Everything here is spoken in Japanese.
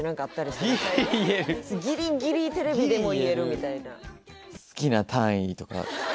ギリギリテレビでも言えるみたいな嫌だ！